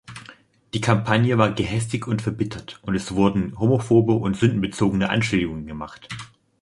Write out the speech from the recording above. Die Kampagne war gehässig und verbittert und es wurden homophobe und sündenbezogene Anschuldigungen gemacht.